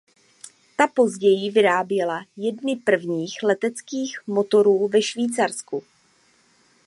Ta později vyráběla jedny prvních leteckých motorů ve Švýcarsku.